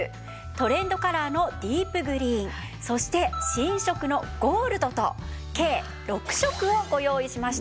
トレンドカラーのディープグリーンそして新色のゴールドと計６色をご用意しました。